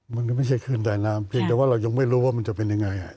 มันไม่ใช่ขึ้นใต้น้ำเพียงแต่ว่าเรายังไม่รู้ว่ามันจะเป็นยังไง